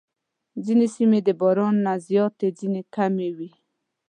ځینې سیمې د باران نه زیاتې، ځینې کمې وي.